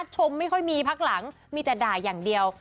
ชมไม่ค่อยมีพักหลังมีแต่ด่าอย่างเดียว